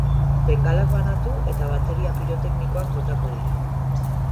Bengalak banatu eta bateria piroteknikoak botako dira.